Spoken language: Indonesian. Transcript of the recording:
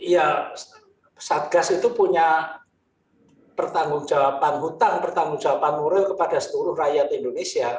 ya satgas itu punya pertanggung jawaban hutang pertanggung jawaban nuril kepada seluruh rakyat indonesia